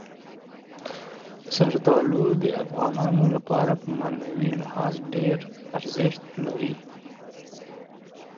زردالو د افغانانو لپاره په معنوي لحاظ ډېر ارزښت لري.